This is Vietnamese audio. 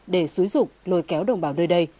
để xúi dụng lôi kéo đồng bào nơi đây